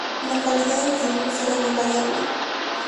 La calidad de los dibujos era muy variable.